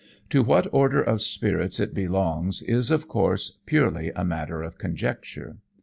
To what order of spirits it belongs is, of course, purely a matter of conjecture.